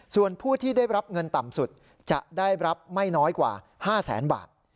ส่วนผู้ที่ได้รับเงินต่ำสุดจะได้รับไม่น้อยกว่า๕แสนบาท